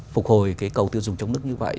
phục hồi cái cầu tiêu dùng trong nước như vậy